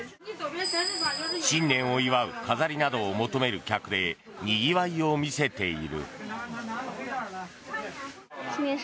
新年を祝う飾りなどを求める客でにぎわいを見せている。